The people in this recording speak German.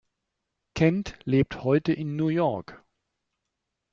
Kent lebt heute in New York.